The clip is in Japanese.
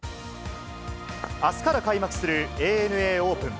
あすから開幕するＡＮＡオープン。